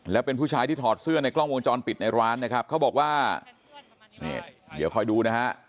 แล้วเป็นผู้ชายที่ถอดเสื้อในกล้องวงจรปิดในร้านนะครับเขาบอกว่านี่เดี๋ยวคอยดูนะฮะ